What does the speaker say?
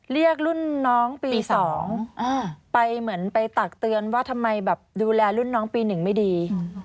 เรียกรุ่นน้องปี๒ไปเหมือนไปตักเตือนว่าทำไมแบบดูแลรุ่นน้องปี๑ไม่ดี